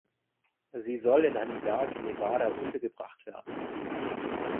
Sie soll in einem Berg in Nevada untergebracht werden.